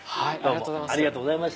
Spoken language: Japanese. ありがとうございます。